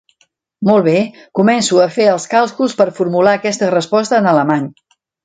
Molt bé, començo a fer els càlculs per formular aquesta resposta en alemany.